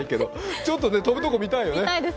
ちょっと飛ぶところ見たいよね。